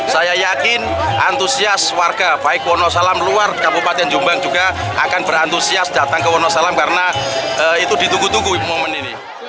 saya yakin antusias warga baik wonosalam luar kabupaten jombang juga akan berantusias datang ke wonosalam karena itu ditunggu tunggu momen ini